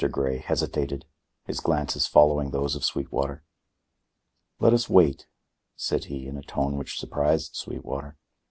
Grey hesitated, his glances following those of Sweetwater. "Let us wait," said he, in a tone which surprised Sweetwater.